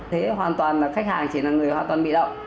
thế hoàn toàn là khách hàng chỉ là người hoàn toàn bị động